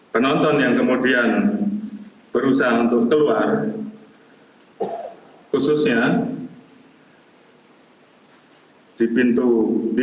penonton yang kemudian berusaha untuk keluar khususnya di pintu tiga sebelas dua belas tiga belas dan empat belas